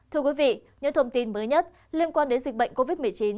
thưa quý vị những thông tin mới nhất liên quan đến dịch bệnh covid một mươi chín